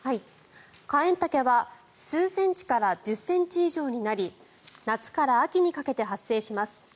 カエンタケは数センチから１０ｃｍ以上になり夏から秋にかけて発生します。